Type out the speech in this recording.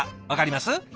分かります？